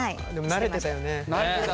慣れてたね。